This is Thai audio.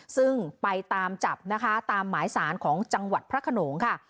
ซึ่งไปตามจับนะคะตามหมายสารของจังหวัดพระขนงค่ะ